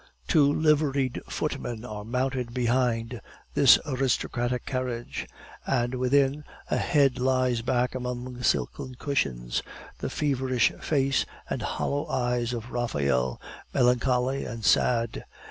Two liveried footmen are mounted behind this aristocratic carriage; and within, a head lies back among the silken cushions, the feverish face and hollow eyes of Raphael, melancholy and sad.